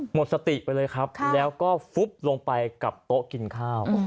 หมดสติไปเลยครับแล้วก็ฟุบลงไปกับโต๊ะกินข้าว